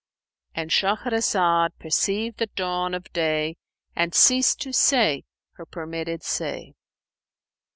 —And Shahrazad perceived the dawn of day and ceased to say her permitted say.